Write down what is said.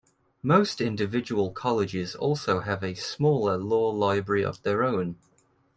Most individual colleges also have a smaller law library of their own.